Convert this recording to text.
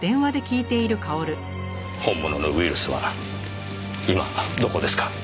本物のウイルスは今どこですか？